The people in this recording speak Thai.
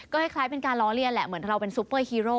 คล้ายเป็นการล้อเลียนแหละเหมือนเราเป็นซูเปอร์ฮีโร่